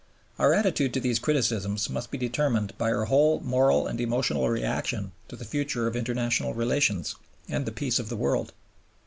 Our attitude to these criticisms must be determined by our whole moral and emotional reaction to the future of international relations and the Peace of the World.